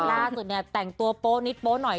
ล่าสุดเนี่ยแต่งตัวโป๊นิดโป๊หน่อย